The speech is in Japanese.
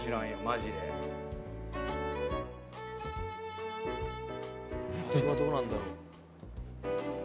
味はどうなんだろう？